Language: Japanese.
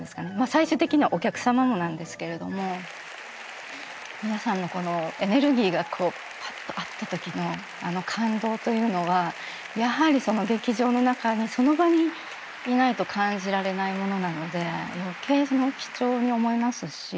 最終的にはお客様もなんですけれども皆さんのエネルギーがパッと合った時のあの感動というのはやはりその劇場の中にその場にいないと感じられないものなので余計貴重に思えますし。